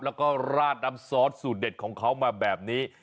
แล้วก็ราดน้ำซอสสูตรเด็ดของเขามาแบบนี้